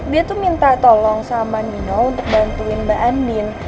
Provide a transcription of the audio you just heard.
dia tuh minta tolong sama nino untuk bantuin mbak emin